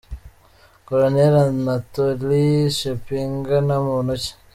Koloneli Anatoliy Chepiga ni muntu ki?.